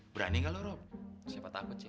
berani gak lo rob siapa takut sih